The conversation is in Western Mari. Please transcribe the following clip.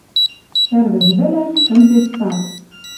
Ӹрвӹж вӹлӓн шӹнзеш цат